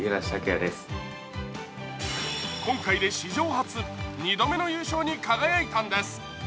今回で史上初、２度目の優勝に輝いたんです。